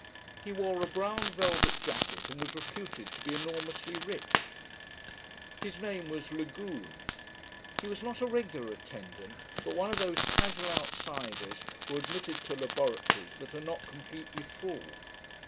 He wore a brown velvet jacket and was reputed to be enormously rich. His name was Lagune. He was not a regular attendant, but one of those casual outsiders who are admitted to laboratories that are not completely full.